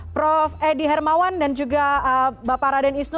prof edi hermawan dan juga bapak raden isnu